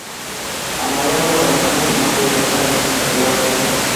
A mayor número de cambios, más riesgosa y espectacular resulta.